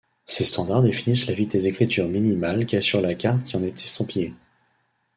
Ces standards définissent la vitesse d'écriture minimale qu'assure la carte qui en est estampillée.